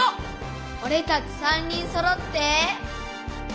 オレたち３人そろって。